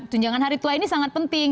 tunjangan hari tua ini sangat penting